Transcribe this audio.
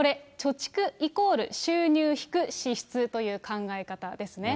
これ、貯蓄イコール収入引く支出という考え方ですね。